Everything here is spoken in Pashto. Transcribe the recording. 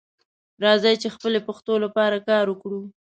راځئ چې خپلې پښتو لپاره کار وکړو